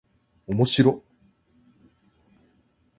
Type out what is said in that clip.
おもしろっ